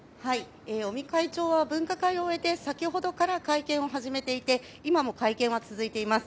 尾身会長は分科会を終えて先ほどから会見を始めていて今も会見は続いています。